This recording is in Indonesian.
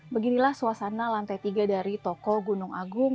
beginilah suasana lantai tiga dari toko gunung agung